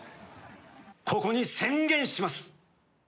ここに宣言します。